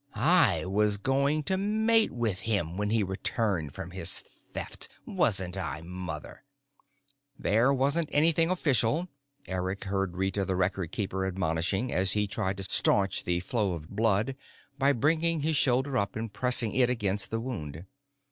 I was going to mate with him when he returned from his Theft, wasn't I, Mother?" "There wasn't anything official," Eric heard Rita the Record Keeper admonishing as he tried to stanch the flow of blood by bringing his shoulder up and pressing it against the wound.